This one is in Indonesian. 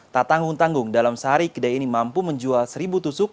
tak tanggung tanggung dalam sehari kedai ini mampu menjual seribu tusuk